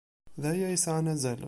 D aya ay yesɛan azal.